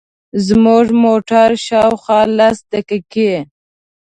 زموږ موټر شاوخوا لس دقیقې.